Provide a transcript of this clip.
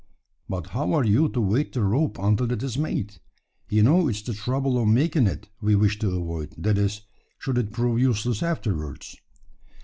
"But how are you to weigh the rope until it is made? You know it's the trouble of making it we wish to avoid that is, should it prove useless afterwards."